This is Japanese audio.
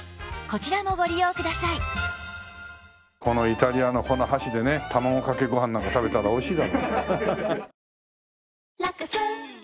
イタリアのこの箸でね卵かけご飯なんか食べたらおいしい。